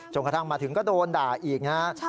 กระทั่งมาถึงก็โดนด่าอีกนะฮะ